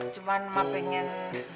cuman mak pengen